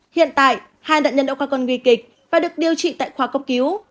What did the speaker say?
hiện tại hai đạn nhân đã qua con nguy kịch và được điều trị tại khoa cốc cứu